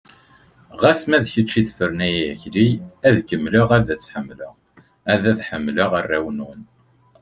Ɣas ma d kečč i tefren ay Akli, ad kemmleɣ ad tt-ḥemmleɣ, ad ḥemmleɣ arraw-nwen.